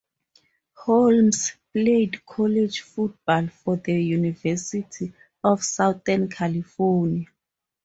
Holmes played college football for the University of Southern California.